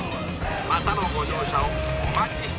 またのご乗車をお待ちしております」。